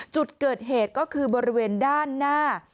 จุดเกิดเหตุก็คือบริเวณด้านหน้า